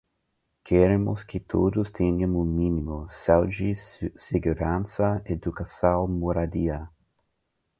Queremos que todos tenham o mínimo: saúde, segurança, educação, moradia